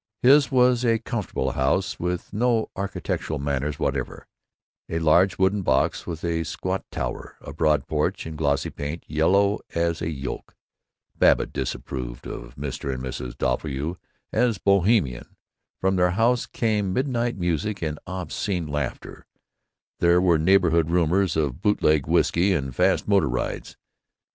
His was a comfortable house with no architectural manners whatever; a large wooden box with a squat tower, a broad porch, and glossy paint yellow as a yolk. Babbitt disapproved of Mr. and Mrs. Doppelbrau as "Bohemian." From their house came midnight music and obscene laughter; there were neighborhood rumors of bootlegged whisky and fast motor rides.